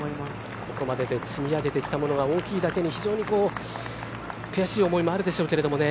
ここまでで積み上げてきたものが大きいだけに非常に悔しい思いもあるでしょうけどね。